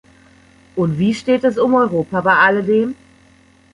Und wie steht es um Europa bei alledem.